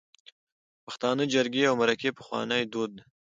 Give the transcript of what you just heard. پښتانه جرګی او مرکی پخواني دود ده